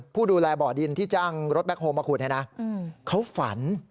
ผู้ดูแลบ่อดินที่จ้างรถแบล็คโฮมาขุดไงนะ